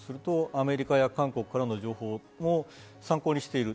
そうなるとアメリカや韓国からの情報を参考にしている。